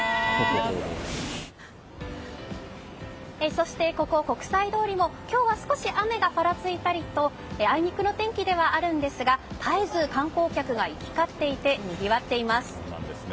そして、ここ国際通りも今日は少し雨がぱらついたりとあいにくの天気ではありますが絶えず観光客が行き交っていてにぎわっています。